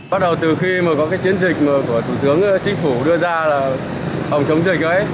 bắt đầu từ khi mà có cái chiến dịch mà của thủ tướng chính phủ đưa ra là phòng chống dịch ấy